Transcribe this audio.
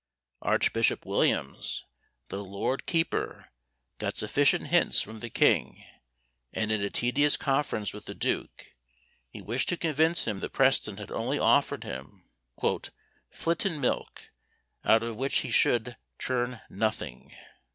Archbishop Williams, the lord keeper, got sufficient hints from the king; and in a tedious conference with the duke, he wished to convince him that Preston had only offered him "flitten milk, out of which he should churn nothing!"